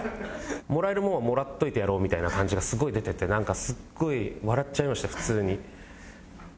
もらえるもんはもらっといてやろうみたいな感じがすごい出ててなんかすっごい笑っちゃいました普通に。